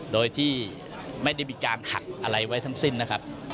โดยที่ไม่ได้มีการถักอะไรไว้ทั้งสิ้นนะครับ